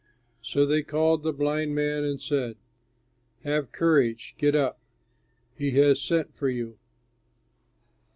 So they called the blind man and said, "Have courage! Get up, he has sent for you."